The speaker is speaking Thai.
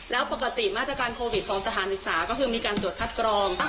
แล้วปกติมาตรการโควิดของสถานศึกษาก็คือมีการตรวจคัดกรอง